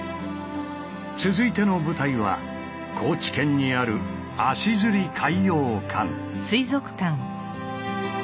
続いての舞台は高知県にある足海洋館。